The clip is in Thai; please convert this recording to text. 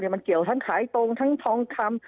มันเกี่ยวทั้งขายตรงทั้งทองคำ